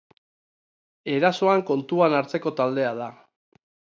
Erasoan kontuan hartzeko taldea da.